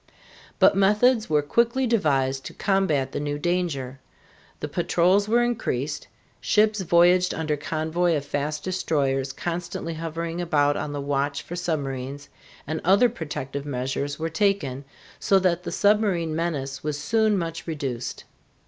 But methods were quickly devised to combat the new danger. The patrols were increased, ships voyaged under convoy of fast destroyers constantly hovering about on the watch for submarines, and other protective measures were taken, so that the submarine menace was soon much reduced.